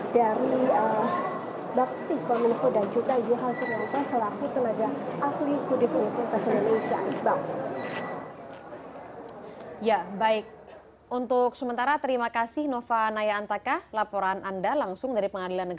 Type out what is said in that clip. dimana kita sebentar lagi akan melihatkan seperti apa nota pembelaan dari ketiga terdakwa